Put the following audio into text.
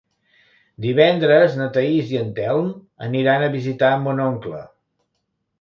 Divendres na Thaís i en Telm aniran a visitar mon oncle.